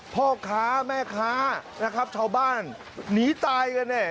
พ่อค้าแม่ค้านะครับชาวบ้านหนีตายกันเนี่ย